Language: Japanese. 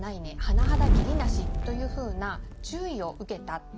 「はなはだ義理無し」というふうな注意を受けた。